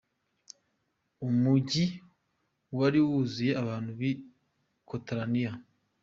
Umujyi wari wuzuye abantu b'i Catalonia .